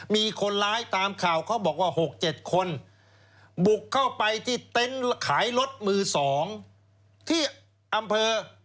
มีคนร้ายตามข่าวเขาบอกว่า๖๗คนบุกเข้าไปที่เต็นต์ขายรถมือ๒ที่อำเภอ